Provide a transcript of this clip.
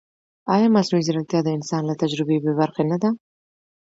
ایا مصنوعي ځیرکتیا د انسان له تجربې بېبرخې نه ده؟